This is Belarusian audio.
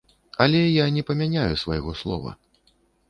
Але я не памяняю свайго слова.